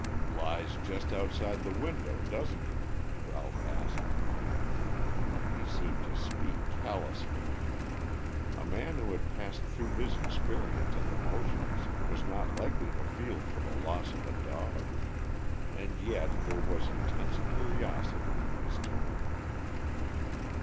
"Lies just outside the window, doesn't he?" Ralph asked. He seemed to speak callously. A man who had passed through his experiences and emotions was not likely to feel for the loss of a dog. And yet there was intense curiosity in his tone.